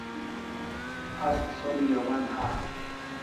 Asi som yawan ha